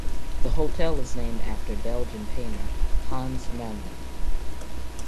The hotel is named after Belgian painter Hans Memling.